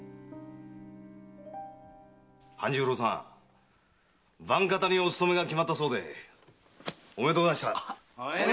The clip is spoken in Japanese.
半十郎さん番方にお勤めが決まっておめでとうございます。